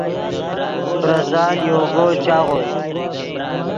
پریسال یوگو چاغوئے